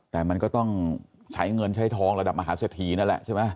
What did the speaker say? แต่มันก็ต้องใช้เงินใช้ทองระดับมหาเศรษฐีนั่นแหละใช่ไหม